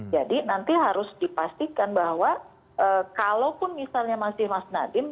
jadi nanti harus dipastikan bahwa kalaupun misalnya masih mas nadiem